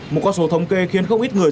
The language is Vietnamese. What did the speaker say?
một con số thống kê khiến không ít người